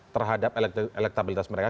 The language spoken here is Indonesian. terhadap elektabilitas mereka